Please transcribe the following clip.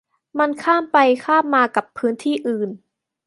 มันข้ามไปข้ามมากับพื้นที่อื่น